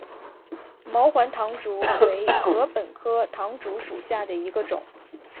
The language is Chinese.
毛环唐竹为禾本科唐竹属下的一个种。